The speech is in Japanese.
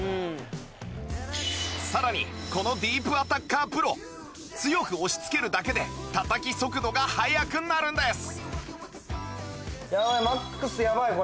さらにこのディープアタッカープロ強く押し付けるだけで叩き速度が速くなるんです！